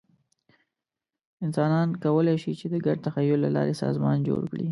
انسانان کولی شي، چې د ګډ تخیل له لارې سازمان جوړ کړي.